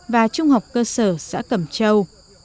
và trung học cơ sở xã cẩm châu